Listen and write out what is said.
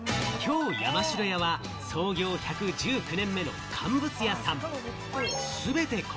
京山城屋は創業１１９年目の乾物屋さん。